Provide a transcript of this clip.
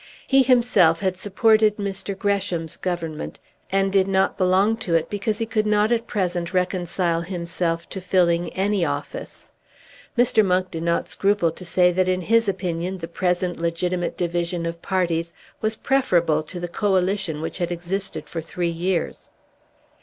He himself had supported Mr. Gresham's government, and did not belong to it because he could not at present reconcile himself to filling any office. Mr. Monk did not scruple to say that in his opinion the present legitimate division of parties was preferable to the Coalition which had existed for three years.